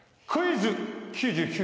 クイズ。